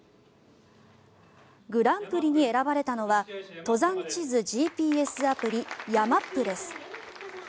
グランプリに選ばれたのは登山地図ＧＰＳアプリＹＡＭＡＰです。